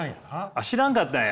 あっ知らんかったんや！